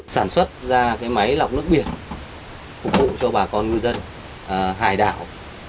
sản xuất ra máy lọc nước biển phục vụ cho bà con ngư dân hải đảo